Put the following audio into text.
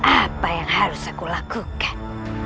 apa yang harus aku lakukan